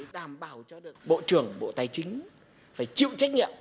đảm bảo cho được bộ trưởng bộ tài chính phải chịu trách nhiệm